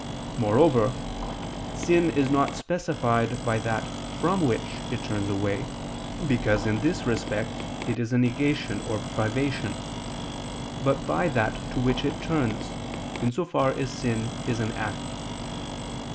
Moreover sin is not specified by that from which it turns away, because in this respect it is a negation or privation, but by that to which it turns, in so far as sin is an act.